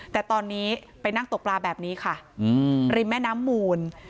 แต่ตอนนี้ไปนั่งตกปลาแบบนี้ค่ะริมแม่น้ำมูล